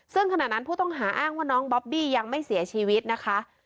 ซึ่งขณะนั้นผู้ต้องหาอ้างว่าน้องบอบบี้ยังไม่เสียชีวิตนะคะ